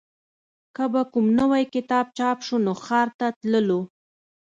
که به کوم نوی کتاب چاپ شو نو ښار ته تللو